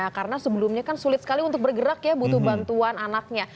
karena sebelumnya kan sulit sekali untuk bergerak ya butuh bantuan anaknya